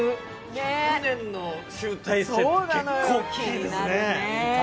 １００年の集大成って結構大きいですよね。